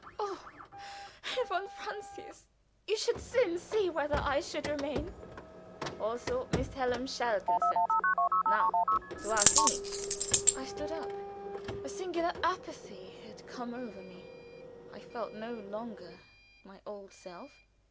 "Oh! Herr von Francius! You should soon see whether I would remain!" "Also! Miss Hallam shall consent. Now to our singing!" I stood up. A singular apathy had come over me; I felt no longer my old self.